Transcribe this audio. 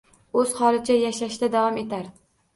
O’z holicha yashashda davom etar.